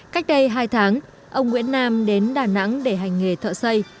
cách đây hai tháng ông nguyễn nam đến đà nẵng để hành nghề thợ xây